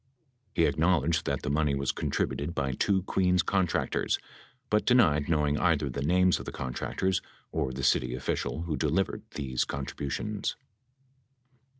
He acknowledged that the money was contributed by two Queens contractors, but denied knowing either the names of the contractors or the city official who delivered these contributions.